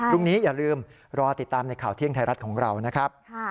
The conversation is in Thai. พรุ่งนี้อย่าลืมรอติดตามในข่าวเที่ยงไทยรัฐของเรานะครับ